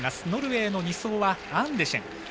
ノルウェーの２走はアンデシェン。